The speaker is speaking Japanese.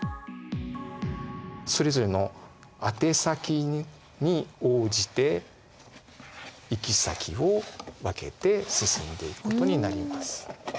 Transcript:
それぞれのあて先に応じて行き先を分けて進んでいくことになります。